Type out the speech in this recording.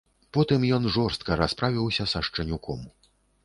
Потым ён жорстка расправіўся са шчанюком.